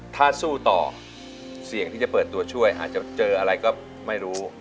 ถ้าสู้ต่อเสี่ยงที่จะเปิดตัวช่วยอาจจะเจออะไรก็ไม่รู้